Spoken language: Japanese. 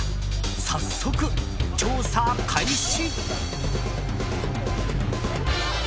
早速、調査開始。